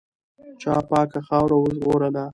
چا پاکه خاوره وژغورله؟